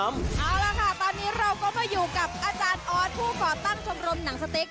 เอาล่ะค่ะตอนนี้เราก็มาอยู่กับอาจารย์ออสผู้ก่อตั้งชมรมหนังสติ๊ก